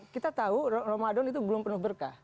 kita tahu ramadan itu belum penuh berkah